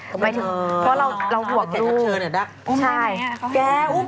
หมายถึงค่าเราห่วงลูก